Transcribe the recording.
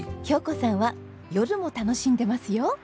京子さんは夜も楽しんでますよ。